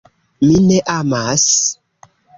Mi ne amas.